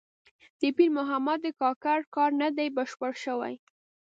د پیر محمد کاکړ کار نه دی بشپړ شوی.